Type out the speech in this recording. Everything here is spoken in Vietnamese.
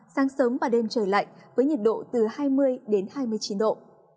sáng sớm và đêm trời lạnh với nhiệt độ từ hai mươi đến hai mươi chín độ